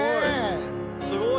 すごい。